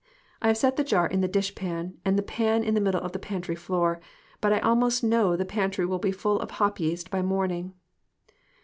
I have set the jar in the dish pan, and the pan in the middle of the pantry floor, but I almost know the pantry will be full of hop yeast by morning.